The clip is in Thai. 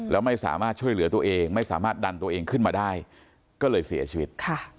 แล้วไม่สามารถช่วยเหลือตัวเองไม่สามารถดันตัวเองขึ้นมาได้ก็เลยเสียชีวิต